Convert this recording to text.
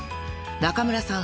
［中村さん